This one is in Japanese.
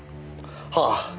はあ。